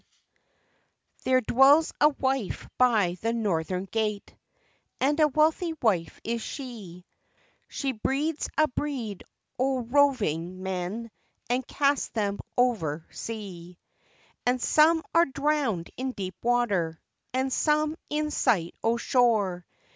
There dwells a wife by the Northern Gate, And a wealthy wife is she; She breeds a breed o' rovin' men And casts them over sea, And some are drowned in deep water, And some in sight o' shore.